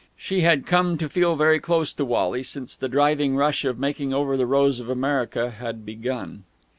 She had come to feel very close to Wally since the driving rush of making over "The Rose of America" had begun.